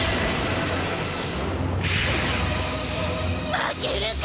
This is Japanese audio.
負けるか！